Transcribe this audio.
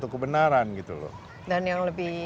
kebenaran gitu loh dan yang lebih